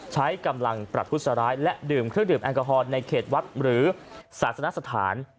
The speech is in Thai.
ใช้กำลังประทุษร้ายและดื่มเครื่องดื่มแอลกอฮอลในเขตวัดหรือศาสนสถาน